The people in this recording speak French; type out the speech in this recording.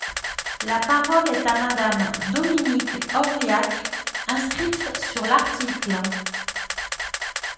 La parole est à Madame Dominique Orliac, inscrite sur l’article.